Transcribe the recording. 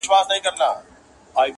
وو حاکم مګر مشهوره په امیر وو!